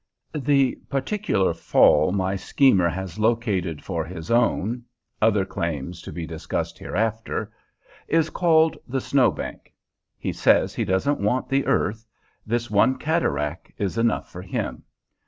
The particular fall my schemer has located for his own other claims to be discussed hereafter is called the "Snow Bank." He says he doesn't want the earth: this one cataract is enough for him.